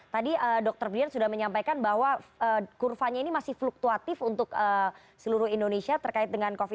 tadi dr brian sudah menyampaikan bahwa kurvanya ini masih fluktuatif untuk seluruh indonesia terkait dengan covid sembilan belas